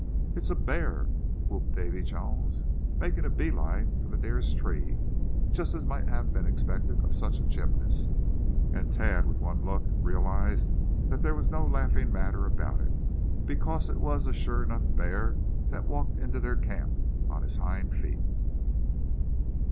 "It's a bear!" whooped Davy Jones, making a bee line for the nearest tree, just as might have been expected of such a gymnast. And Thad, with one look, realized that there was no laughing matter about it; because it was a sure enough bear that walked into their camp on his hind feet!